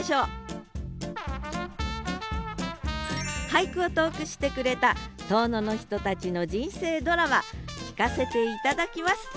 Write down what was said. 俳句を投句してくれた遠野の人たちの人生ドラマ聞かせて頂きます！